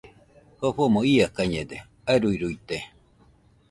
Jofomo iakañede, aruiruite